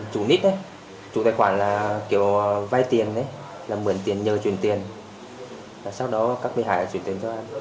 chủ nít chủ tài khoản là kiểu vai tiền là mượn tiền nhờ chuyển tiền sau đó các bệ hại sẽ chuyển tiền cho em